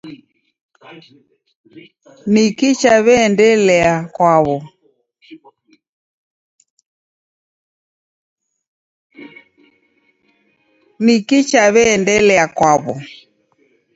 Nikii chaw'iaendelia kwaw'o?